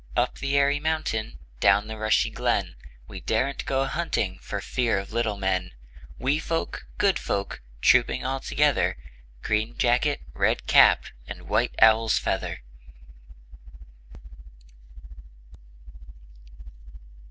Up the airy mountain, Down the rushy glen, We daren't go a hunting For fear of little men: Wee folk, good folk, Trooping all together; Green jacket, red cap, And white owl's feather.